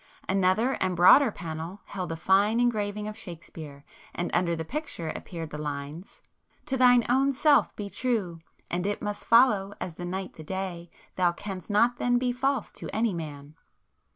Another and broader panel held a fine engraving of Shakespeare, and under the picture appeared the lines— "To thine own self be true, And it must follow as the night the day, Thou canst not then be false to any man."